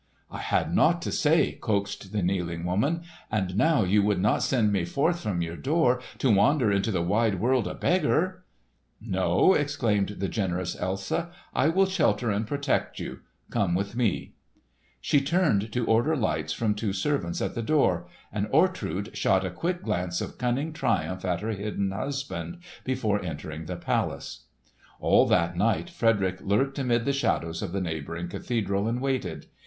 "I had naught to say," coaxed the kneeling woman. "And now you would not send me forth from your door, to wander into the wide world a beggar!" "No!" exclaimed the generous Elsa, "I will shelter and protect you. Come with me!" She turned to order lights from two servants at the door; and Ortrud shot a quick glance of cunning triumph at her hidden husband, before entering the palace. All that night Frederick lurked amid the shadows of the neighbouring cathedral and waited.